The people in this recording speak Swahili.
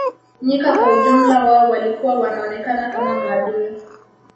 Nyika kwa ujumla wao walikuwa wanaonekana kama maadui